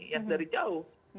yang dari jauh